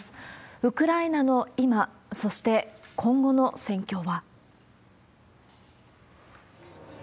ウクライナの今、そして、今後の戦況は。